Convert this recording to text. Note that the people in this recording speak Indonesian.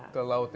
ke laut ya